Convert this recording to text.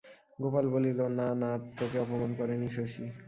গোপাল বলিল, না, না, তোকে অপমান করেনি শশী।